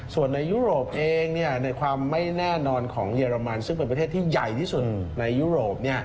ส่วนในยุโรปเองในความไม่แน่นอนของเยอรมันซึ่งเป็นประเทศที่ใหญ่ที่สุดในยุโรป